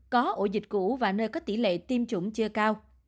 có ổ dịch cũ và nơi có tỷ lệ tiêm chủng chưa cao